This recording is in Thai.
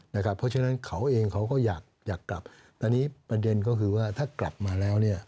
เพราะฉะนั้นเขาเองเขาก็อยากกลับอันนี้ประเด็นก็คือว่าถ้ากลับมาแล้ว